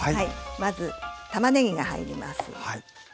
まずたまねぎが入ります。